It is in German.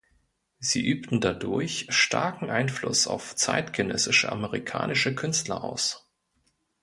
Sie übten dadurch starken Einfluss auf zeitgenössische amerikanische Künstler aus.